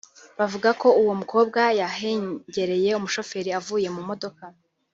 bavuga ko uwo mukobwa yahengereye umushoferi avuye mu modoka